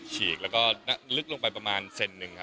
ฉีกแล้วก็ลึกลงไปประมาณเซนหนึ่งครับ